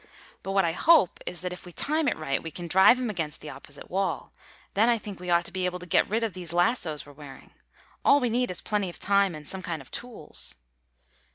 But what I hope is that if we time it right we can drive him against the opposite wall. Then I think we ought to be able to get rid of these lassos we're wearing. All we need is plenty of time and some kind of tools."